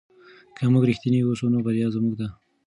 که موږ رښتیني اوسو نو بریا زموږ ده.